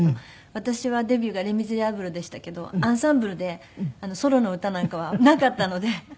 私はデビューが『レ・ミゼラブル』でしたけどアンサンブルでソロの歌なんかはなかったので。